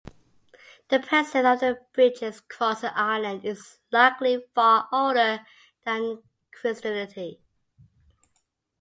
The presence of the Brigid's cross in Ireland is likely far older than Christianity.